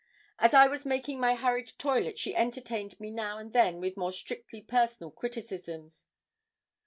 As I was making my hurried toilet, she entertained me now and then with more strictly personal criticisms.